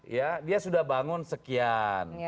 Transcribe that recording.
ya dia sudah bangun sekian